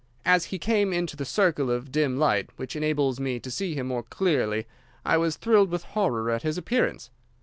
As he came into the circle of dim light which enables me to see him more clearly I was thrilled with horror at his appearance.